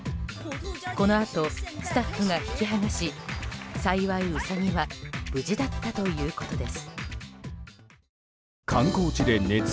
このあと、スタッフが引き剥がし幸い、ウサギは無事だったということです。